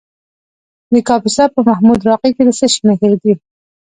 د کاپیسا په محمود راقي کې د څه شي نښې دي؟